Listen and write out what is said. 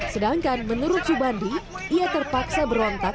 sedangkan menurut subandi ia terpaksa berontak